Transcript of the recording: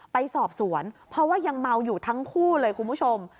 ไปสอบสวนเพราะว่ายังเมาอยู่ทั้งคู่เลยคุณผู้ชม